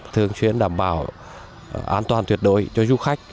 thường xuyên đảm bảo an toàn thuyệt đội cho du khách